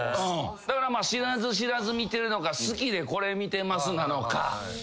だから知らず知らず見てるのか好きでこれ見てますなのか。